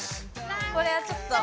これはちょっと。